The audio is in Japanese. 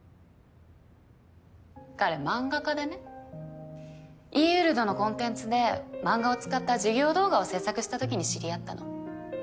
彼漫画家でねｅーウルドのコンテンツで漫画を使った授業動画を制作したときに知り合ったの。